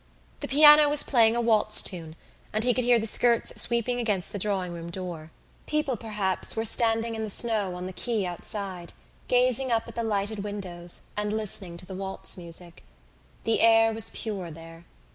The piano was playing a waltz tune and he could hear the skirts sweeping against the drawing room door. People, perhaps, were standing in the snow on the quay outside, gazing up at the lighted windows and listening to the waltz music. The air was pure there.